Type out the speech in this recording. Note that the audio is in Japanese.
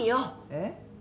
えっ？